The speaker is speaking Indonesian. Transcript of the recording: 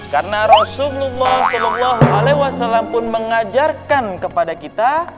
karena rasulullah saw pun mengajarkan kepada kita